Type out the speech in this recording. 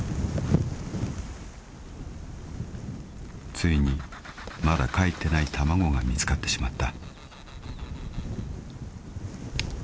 ［ついにまだかえってない卵が見つかってしまった］